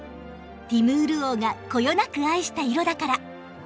ティムール王がこよなく愛した色だから！